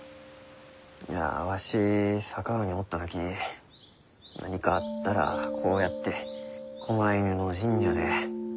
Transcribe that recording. いやわし佐川におった時何かあったらこうやって狛犬の神社で寝転びよった。